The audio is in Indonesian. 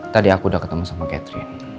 tadi aku udah ketemu sama catherine